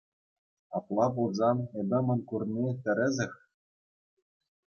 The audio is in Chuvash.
Апла пулсан эп мӗн курни – тӗрӗсех.